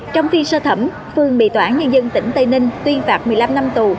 trong phiên sơ thẩm phương bị tòa án nhân dân tỉnh tây ninh tuyên phạt một mươi năm năm tù